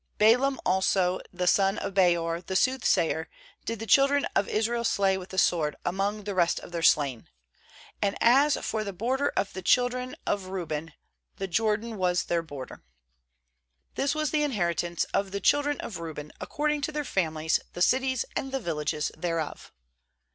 ^Balaam also the son of Beor, the soothsayer, did the children of Israel slay with the sword among the rest of their slain. ^And | as for the border of the children of Reuben, the Jordan was their border. This was the inheritance of the children of Reuben according to their families, the cities and the villages thereof.